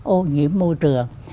ô nhiễm môi trường